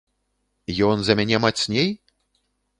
Ён за мяне мацней?